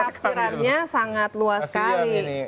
taksirannya sangat luas sekali